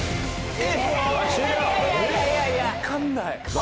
誰も分かんない？